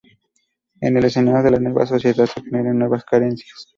En el escenario de la nueva sociedad se generan nuevas carencias.